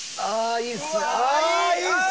いいですね！